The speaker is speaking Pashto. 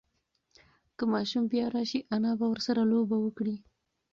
که ماشوم بیا راشي، انا به ورسره لوبه وکړي.